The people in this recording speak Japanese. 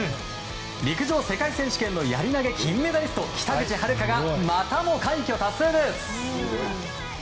陸上世界選手権のやり投げ金メダリスト、北口榛花がまたも快挙達成です！